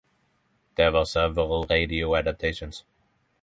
There were several radio adaptations.